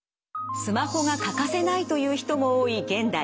スマホが欠かせないという人も多い現代。